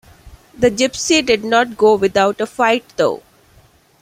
The Gipsy did not go without a fight though.